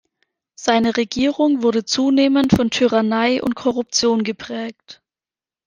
Seine Regierung wurde zunehmend von Tyrannei und Korruption geprägt.